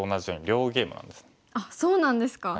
あっそうなんですか。